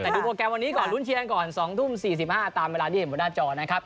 แต่ดูโปรแกรมวันนี้ก่อนลุ้นเชียร์กันก่อน๒ทุ่ม๔๕ตามเวลาที่เห็นบนหน้าจอนะครับ